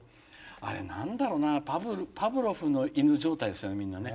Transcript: あれ何だろうなパブロフの犬状態ですよみんなね。